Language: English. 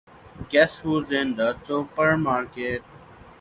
Guess who's in the supermarket?